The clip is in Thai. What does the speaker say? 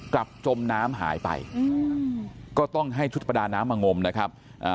จมน้ำหายไปก็ต้องให้ชุดประดาน้ำมางมนะครับ